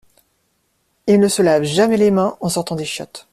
Il ne se lave jamais les mains en sortant des chiottes.